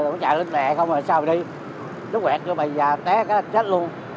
nó chạy lên lệ không mà sao mà đi nước quẹt cho bà già té cái chết luôn